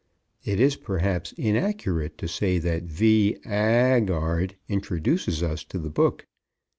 "] It is perhaps inaccurate to say that V. Aagaard introduces us to the book.